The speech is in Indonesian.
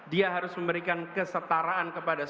dia harus memberikan kesetaraan kepada